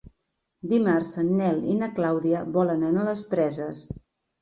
Dimarts en Nel i na Clàudia volen anar a les Preses.